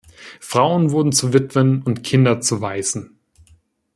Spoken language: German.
Frauen wurden zu Witwen und Kinder zu Waisen.